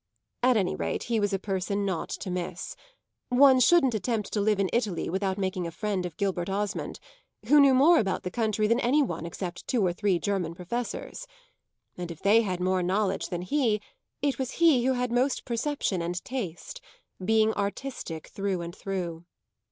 At any rate he was a person not to miss. One shouldn't attempt to live in Italy without making a friend of Gilbert Osmond, who knew more about the country than any one except two or three German professors. And if they had more knowledge than he it was he who had most perception and taste being artistic through and through.